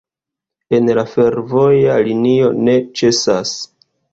En la fervoja linio ne ĉesas.